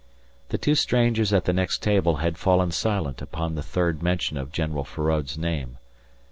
The two strangers at the next table had fallen silent upon the third mention of General Feraud's name.